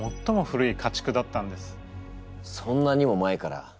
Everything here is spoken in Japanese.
そんなにも前から。